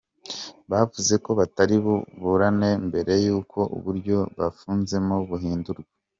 Bavuze ko batari buburane mbere y'uko uburyo bafunzemo buhindurwa.